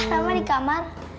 rama di kamar